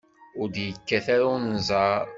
Ur d-yekkat ara unẓar.